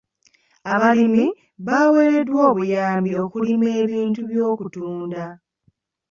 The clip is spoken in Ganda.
Abalimi baweereddwa obuyambi okulima ebintu eby'okutunda.